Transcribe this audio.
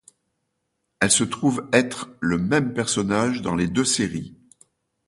Elle se trouve être le même personnage dans les deux séries.